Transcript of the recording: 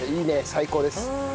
最高です。